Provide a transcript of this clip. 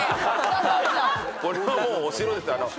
これはもうお城です。